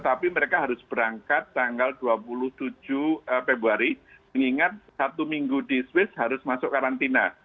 tapi mereka harus berangkat tanggal dua puluh tujuh februari mengingat satu minggu di swiss harus masuk karantina